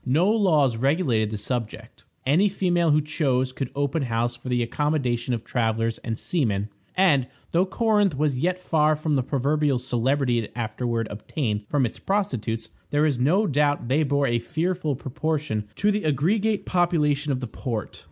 No laws regulated the subject. Any female who chose could open house for the accommodation of travelers and seamen, and, though Corinth was yet far from the proverbial celebrity it afterward obtained for its prostitutes, there is no doubt they bore a fearful proportion to the aggregate population of the port.